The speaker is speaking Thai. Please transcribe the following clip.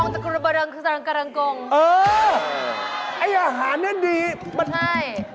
ไอ้อาหารนี่ดีมันตามอย่างไรครับเจ๊เป็นอะไรครับ